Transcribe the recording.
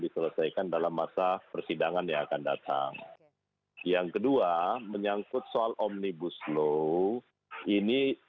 selamat malam pak supratman